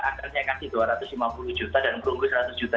akhirnya kasih dua ratus lima puluh juta dan perunggu seratus juta